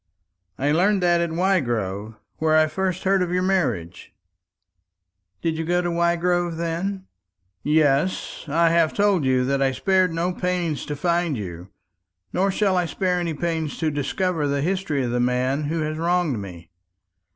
"I learned that at Wygrove, where I first heard of your marriage." "Did you go to Wygrove, then?" "Yes; I have told you that I spared no pains to find you. Nor shall I spare any pains to discover the history of the man who has wronged me.